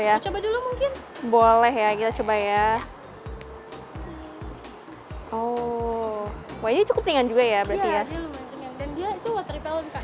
iya boleh ya kita coba ya comic cup palingan juga ya berarti texisting kan pelet agar